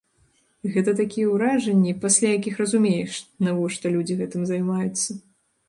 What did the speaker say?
Гэта такія ўражанні, пасля якіх разумееш, навошта людзі гэтым займаюцца.